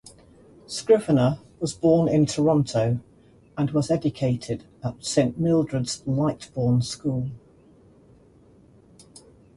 Scrivener was born in Toronto and was educated at Saint Mildred's-Lightbourn School.